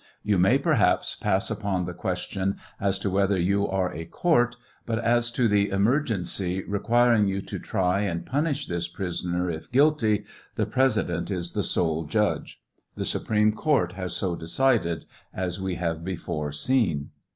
You may perhaps pass upon the question as to whether you are a court, but as to the emergency requiring you to try and punish this prisoner if guilty, the Pres ident is the sole judge. The Supreme Court has so decided, as we have before seen.